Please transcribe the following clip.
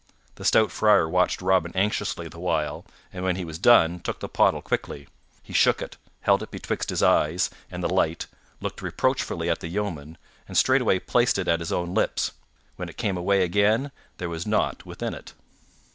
The stout Friar watched Robin anxiously the while, and when he was done took the pottle quickly. He shook it, held it betwixt his eyes and the light, looked reproachfully at the yeoman, and straightway placed it at his own lips. When it came away again there was nought within it.